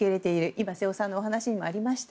今、瀬尾さんのお話にもありました。